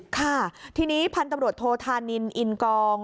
ค่ะทีนี้พันธุ์ตำรวจโทธานินอินกอง